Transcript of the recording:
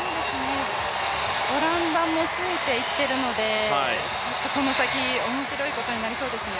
オランダもついていっているので、この先、面白いことになりそうですね。